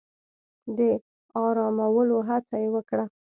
د آرامولو هڅه يې وکړه.